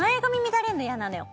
乱れるの嫌なのよ